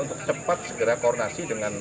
untuk cepat segera koordinasi dengan